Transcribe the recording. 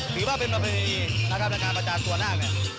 หรือว่าเป็นประพธินินีนักทำงานประจานตัวนาค